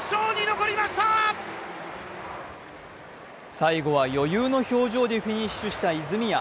最後は余裕の表情でフィニッシュした泉谷。